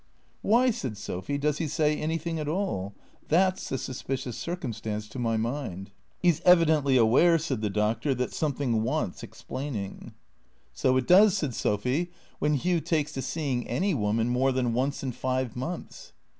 " Why," said Sophy, " does he say anything at all ? That 's the suspicious circumstance, to my mind." "He's evidently aware," said the Doctor, "that something wants explaining." 262 THECKEATOES " So it does/' said Sophy ;" when Hugh takes to seeing any woman more than once in five months."